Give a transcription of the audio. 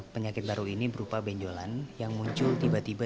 penyakit baru ini berupa benjolan yang muncul tiba tiba